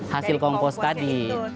hasil kompos tadi